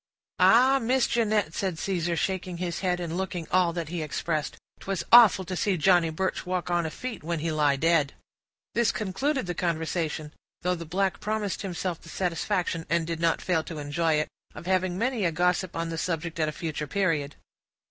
"Ah! Miss Jinnett," said Caesar, shaking his head, and looking all that he expressed, "'twas awful to see Johnny Birch walk on a feet when he lie dead!" This concluded the conversation; though the black promised himself the satisfaction, and did not fail to enjoy it, of having many a gossip on the subject at a future period.